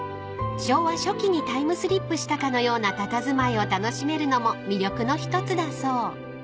［昭和初期にタイムスリップしたかのようなたたずまいを楽しめるのも魅力の一つだそう］